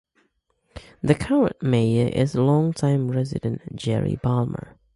The current mayor is long time resident Jerry Balmer.